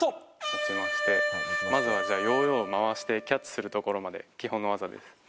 持ちましてまずはヨーヨーを回してキャッチするところまで基本の技です。